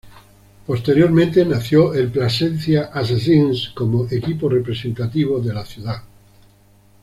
Posteriormente nació el Placencia Assassins como equipo representativo de la ciudad.